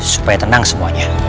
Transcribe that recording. supaya tenang semuanya